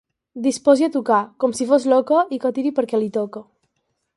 Disposi a tocar, com si fos l'oca i que tiri perquè li toca.